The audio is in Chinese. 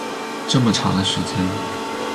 这么长的时间